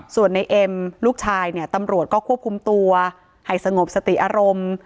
ส่วนในเอ็มลูกชายเนี่ยตำรวจก็ควบคุมตัวให้สงบสติอารมณ์